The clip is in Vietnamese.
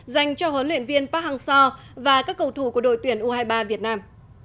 dành cho huấn luyện viên park hang seo và các cầu thủ của đội tuyển u hai mươi ba việt nam